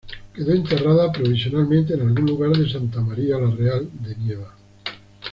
Quedó enterrada provisionalmente en algún lugar de Santa María la Real de Nieva.